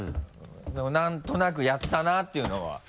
何となくやったなっていうのは。